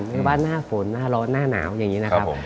เรียกว่าหน้าฝนหน้าร้อนหน้าหนาวอย่างนี้นะครับ